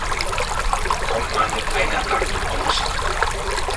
Kommt man mit einer Packung aus?